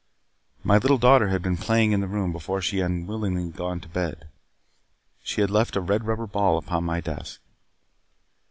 My little daughter had been playing in the room before she had unwillingly gone to bed. She had left a red rubber ball upon my desk.